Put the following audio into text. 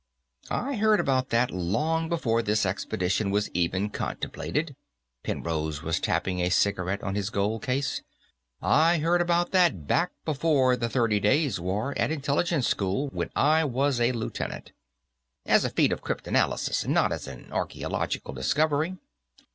"I heard about that long before this expedition was even contemplated." Penrose was tapping a cigarette on his gold case. "I heard about that back before the Thirty Days' War, at Intelligence School, when I was a lieutenant. As a feat of cryptanalysis, not an archaeological discovery."